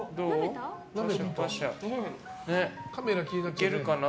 いけるかな？